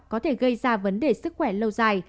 có thể gây ra vấn đề sức khỏe lâu dài